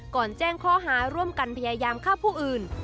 แจ้งข้อหาร่วมกันพยายามฆ่าผู้อื่น